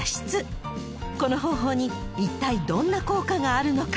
［この方法にいったいどんな効果があるのか］